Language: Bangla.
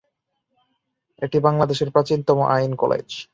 এটি বাংলাদেশের প্রাচীনতম আইন কলেজ।